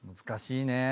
難しいね。